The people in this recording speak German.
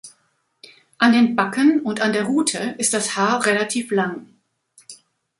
An den Backen und an der Rute ist das Haar relativ lang.